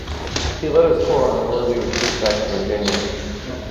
He led his corps on an orderly retreat back to Virginia.